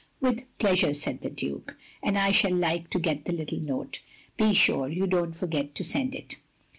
" "With pleasure," said the Duke. "And I shall like to get the little note. Be sure you don't forget to send it.